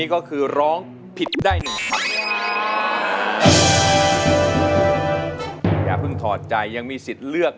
นี้ก็คือร้องผิดได้อย่าพึ่งถอดใจยังมีสิทธิ์เลือก